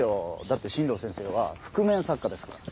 だって新道先生は覆面作家ですから。